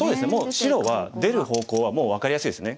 白は出る方向はもう分かりやすいですね。